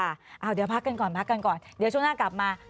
เดี๋ยวพักกันก่อนเดี๋ยวช่วงหน้ากลับมา